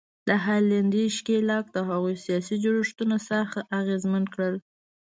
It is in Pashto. د هالنډي ښکېلاک د هغوی سیاسي جوړښتونه سخت اغېزمن کړل.